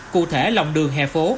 cụ thể lòng đường hè phố